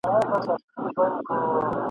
ټول ښار به په بيرغونو پوښل سوی وي.